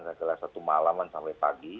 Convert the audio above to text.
setelah satu malaman sampai pagi